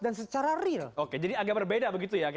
dan secara real oke jadi agak berbeda begitu ya